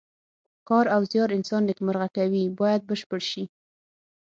کار او زیار انسان نیکمرغه کوي باید بشپړ شي.